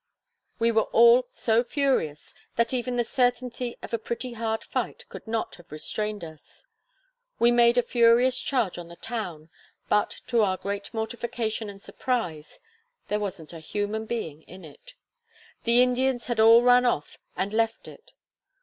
We were all so furious, that even the certainty of a pretty hard fight could not have restrained us. We made a furious charge on the town, but to our great mortification and surprise, there wasn't a human being in it. The Indians had all run off and left it.